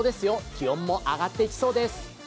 気温も上がっていきそうです。